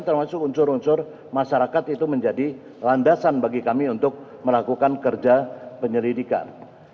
termasuk unsur unsur masyarakat itu menjadi landasan bagi kami untuk melakukan kerja penyelidikan